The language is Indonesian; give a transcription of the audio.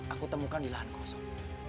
aku temukan di lahan kosong